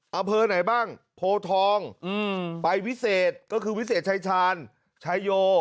อำเภอไหนบ้างโพทองไปวิเศษก็คือวิเศษชายชาญชายโย